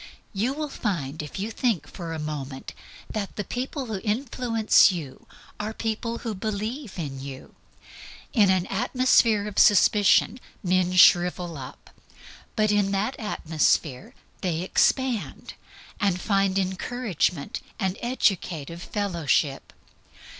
You will find, if you think for a moment, that the people who influence you are people who believe in you. In an atmosphere of suspicion men shrivel up; but in that atmosphere they expand, and find encouragement and educative fellowship.